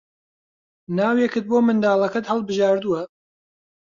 ناوێکت بۆ منداڵەکەت هەڵبژاردووە؟